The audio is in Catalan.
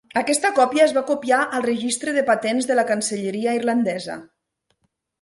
Aquesta còpia es va copiar al registre de patents de la cancelleria irlandesa.